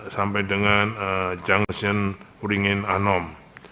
sampai dengan junction uringin anom